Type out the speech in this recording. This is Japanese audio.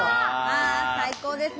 あ最高ですね。